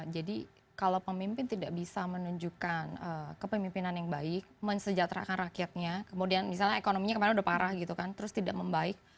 jadi kalau pemimpin tidak bisa menunjukkan kepemimpinan yang baik mensejahterakan rakyatnya kemudian misalnya ekonominya kemarin udah parah gitu kan terus tidak membaik